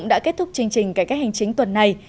đã kết thúc chương trình cải cách hành chính tuần này